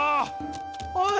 おい。